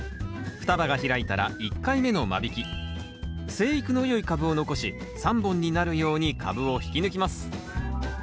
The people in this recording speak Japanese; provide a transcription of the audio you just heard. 生育の良い株を残し３本になるように株を引き抜きます